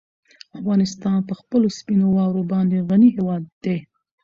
افغانستان په خپلو سپینو واورو باندې غني هېواد دی.